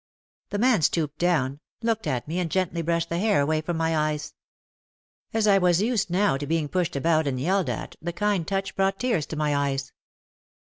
The man stooped down, looked at me and gently brushed the hair away from my eyes. As I was used now to being pushed about and yelled at, the kind touch brought tears to my eyes.